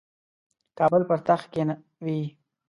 کابل پر تخت کښېنوي.